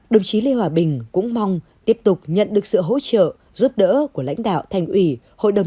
đồng chí lê hòa bình cũng mong tiếp tục nhận được sự hỗ trợ giúp đỡ của lãnh đạo thành ủy hội đồng